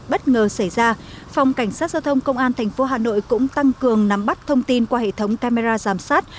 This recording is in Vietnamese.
bất ngờ xảy ra phòng cảnh sát giao thông công an tp hà nội cũng tăng cường nắm bắt thông tin qua hệ thống camera giám sát